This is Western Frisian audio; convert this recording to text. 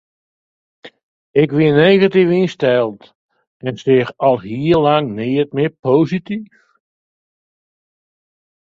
Ik wie negatyf ynsteld en seach al hiel lang neat mear posityf.